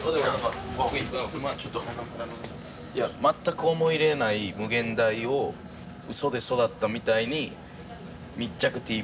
全く思い入れない∞を嘘で育ったみたいに密着ＴＶ。